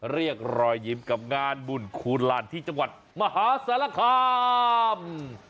เรียกรอยยิ้มกับงานบุญคูณลานที่จังหวัดมหาสารคาม